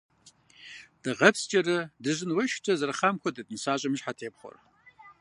Дыгъэпскӏэрэ, дыжьын уэшхкӏэрэ зэрахъам хуэдэт нысащӏэм и щхьэтепхъуэр.